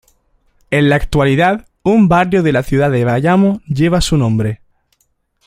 En la actualidad, un barrio de la ciudad de Bayamo lleva su nombre.